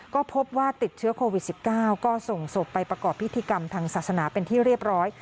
ก็พบว่าติดเชื้อโควิด๑๙ก็ส่งศพไปประกอบพิธีกรรมทางศาสนาเป็นที่เรียบร้อย